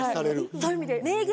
そういう意味で。